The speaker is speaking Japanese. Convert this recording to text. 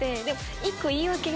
１個言い訳が。